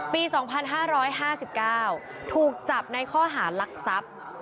ปี๒๕๕๙ถูกจับในข้อหารักทรัพย์